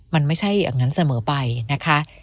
มันไม่ใช่อย่างนั้นเสมอไปนะคะ